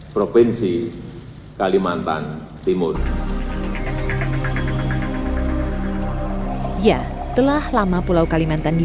selain memiliki risiko minimal terhadap kota negara